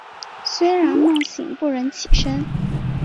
虽然梦醒不忍起身